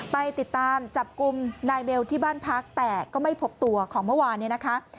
ไปติดตามจับกลุ่มนายเบลที่บ้านพักแต่ก็ไม่พบตัวของเมื่อวานเนี่ยนะคะ